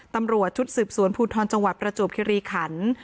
ตำรวจชุดสืบสวนภูทรจังหวัดประจวบคิริขัน